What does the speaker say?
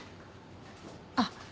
あっ。